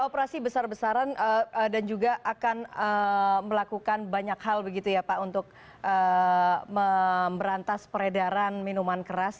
operasi besar besaran dan juga akan melakukan banyak hal untuk memberantas peredaran minuman keras